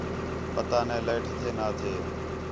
پتہ نے لائیٹ ہتھے نا ہتھے